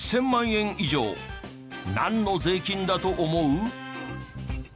以上なんの税金だと思う？